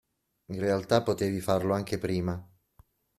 In realtà potevi farlo anche prima.